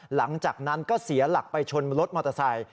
หลังจากนั้นก็เสียหลักไปชนรถมอเตอร์ไซค์